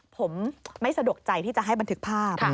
ผมไม่สะดวกใจที่จะให้บันทึกภาพ